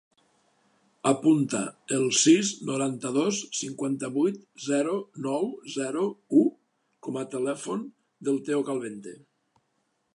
Apunta el sis, noranta-dos, cinquanta-vuit, zero, nou, zero, u com a telèfon del Theo Calvente.